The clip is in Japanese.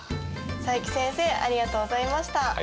佐伯先生ありがとうございました。